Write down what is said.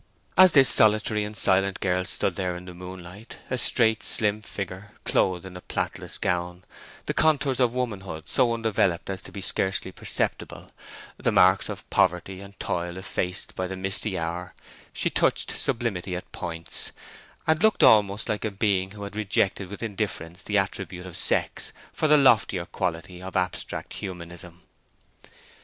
As this solitary and silent girl stood there in the moonlight, a straight slim figure, clothed in a plaitless gown, the contours of womanhood so undeveloped as to be scarcely perceptible, the marks of poverty and toil effaced by the misty hour, she touched sublimity at points, and looked almost like a being who had rejected with indifference the attribute of sex for the loftier quality of abstract humanism.